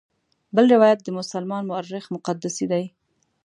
بل روایت د مسلمان مورخ مقدسي دی.